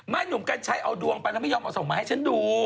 หนุ่มกัญชัยเอาดวงไปแล้วไม่ยอมเอาส่งมาให้ฉันดู